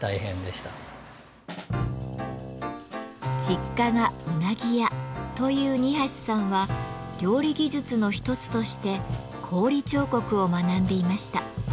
実家がうなぎ屋という二さんは料理技術の一つとして氷彫刻を学んでいました。